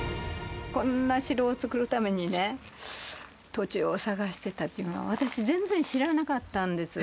こんな城を作るためにね、土地を探してたっていうのは、私全然知らなかったんですよ。